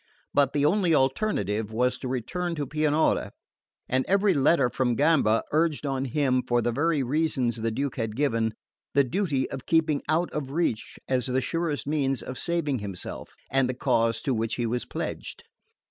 But the only alternative was to return to Pianura; and every letter from Gamba urged on him (for the very reasons the Duke had given) the duty of keeping out of reach as the surest means of saving himself and the cause to which he was pledged.